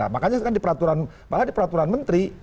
makanya kan di peraturan malah di peraturan menteri